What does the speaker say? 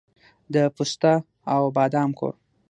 د پسته او بادام کور.